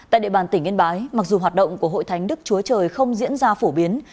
tại địa bàn tỉnh yên bái mặc dù hoạt động của hội thánh đức chúa trời không diễn ra phổ biến